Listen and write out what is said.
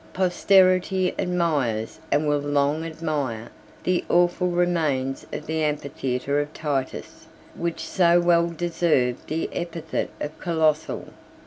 Posterity admires, and will long admire, the awful remains of the amphitheatre of Titus, which so well deserved the epithet of Colossal.